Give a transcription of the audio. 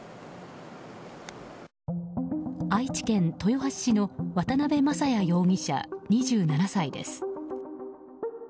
愛知県豊橋市の渡辺雅也容疑者、２７歳です。